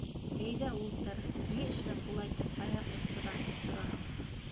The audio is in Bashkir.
Әйҙә, ултыр, ни эшләп улайтып аяҡ өҫтө баҫып тораһың?